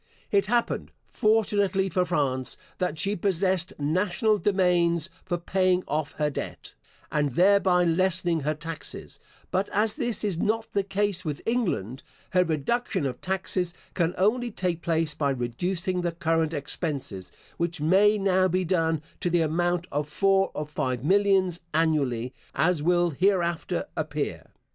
It happened, fortunately for France, that she possessed national domains for paying off her debt, and thereby lessening her taxes; but as this is not the case with England, her reduction of taxes can only take place by reducing the current expenses, which may now be done to the amount of four or five millions annually, as will hereafter appear.